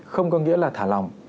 không có nghĩa là thả lòng